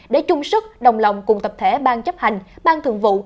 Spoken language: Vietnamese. để chung sức đồng lòng cùng tập thể ban chấp hành bang thường vụ